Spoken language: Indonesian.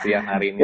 siang hari ini